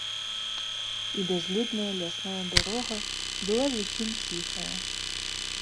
І бязлюдная лясная дарога была зусім ціхая.